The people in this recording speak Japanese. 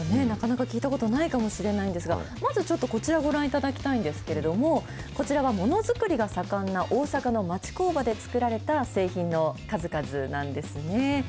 なかなか聞いたことないかもしれないんですが、まずちょっとこちらご覧いただきたいんですけれども、こちらはものづくりが盛んな大阪の町工場で作られた製品の数々なんですね。